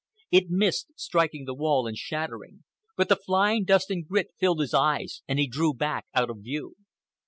It missed, striking the wall and shattering; but the flying dust and grit filled his eyes and he drew back out of view.